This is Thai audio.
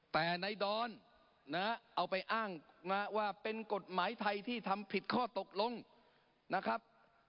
แต่ในดอนนะเอาไปอ้างนะว่าเป็นกฎหมายไทยที่ทำผิดข้อตกลงนะครับ